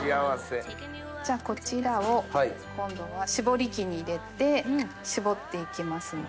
じゃあこちらを今度は絞り器に入れて絞っていきますので。